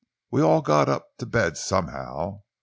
We all got up to bed somehow.